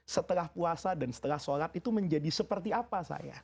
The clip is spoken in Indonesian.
setelah puasa dan setelah sholat itu menjadi seperti apa saya